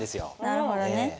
なるほどね。